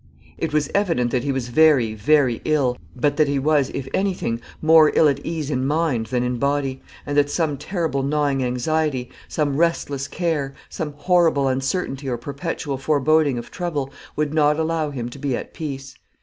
It was evident that he was very, very ill, but that he was, if anything, more ill at ease in mind than in body; and that some terrible gnawing anxiety, some restless care, some horrible uncertainty or perpetual foreboding of trouble, would not allow him to be at peace.